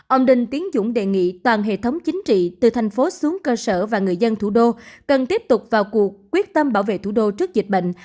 ông đinh tiến dũng đề nghị toàn hệ thống chính trị từ thành phố xuống cơ sở và người dân thủ đô cần tiếp tục vào cuộc quyết tâm bảo vệ thủ đô trước dịch bệnh